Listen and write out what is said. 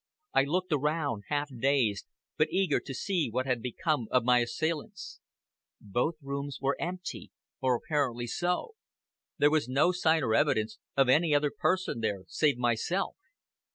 I looked around, half dazed, but eager to see what had become of my assailants. Both rooms were empty, or apparently so. There was no sign or evidence of any other person there save myself.